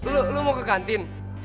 lo mau ke kantin